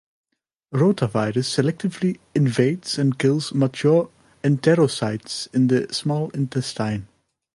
Rotavirus selectively invades and kills mature enterocytes in the small intestine.